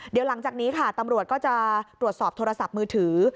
เดี๋ยวหลังจากนี้ค่ะตำรวจก็จะตรวจสอบโทรศัพท์มือถือ